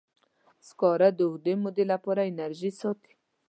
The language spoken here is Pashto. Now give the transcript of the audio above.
سکاره د اوږدې مودې لپاره انرژي ساتي.